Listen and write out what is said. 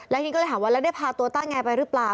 ทีนี้ก็เลยถามว่าแล้วได้พาตัวต้าแงไปหรือเปล่า